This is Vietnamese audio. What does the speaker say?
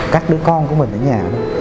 các đứa con của mình ở nhà